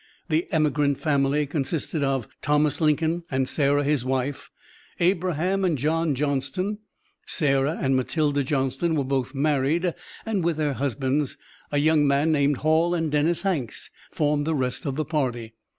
The emigrant family consisted of Thomas Lincoln and Sarah, his wife, Abraham, and John Johnston; Sarah and Matilda Johnston were both married, and, with their husbands, a young man named Hall and Dennis Hanks, formed the rest of the party.